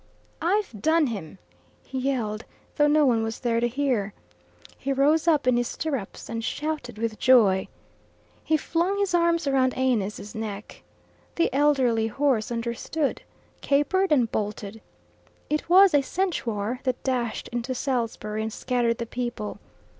"I've done him!" he yelled, though no one was there to hear. He rose up in his stirrups and shouted with joy. He flung his arms round Aeneas's neck. The elderly horse understood, capered, and bolted. It was a centaur that dashed into Salisbury and scattered the people.